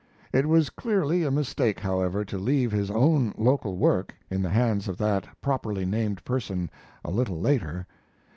It was clearly a mistake, however, to leave his own local work in the hands of that properly named person a little later.